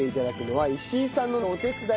はい。